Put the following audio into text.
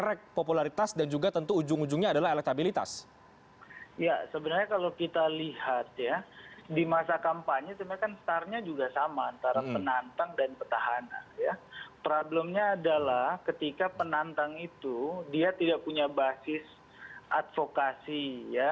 problemnya adalah ketika penantang itu dia tidak punya basis advokasi ya